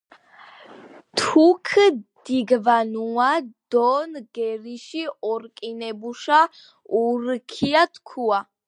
თუქ დიგვანუა დო ნგერიში ორკინებუშა ურქია – თქუა."